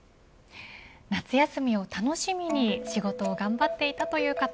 夏休みを楽しみに仕事を頑張っていたという方